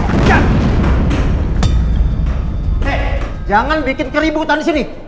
hei jangan bikin keribu hutan disini